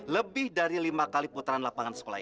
lebih dari lima kali putaran lapangan sekolah